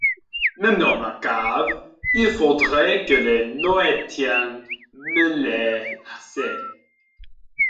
Même dans la cave, il faudrait que les Noétiens me l’aient laissé.